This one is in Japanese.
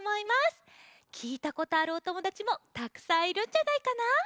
きいたことあるおともだちもたくさんいるんじゃないかな？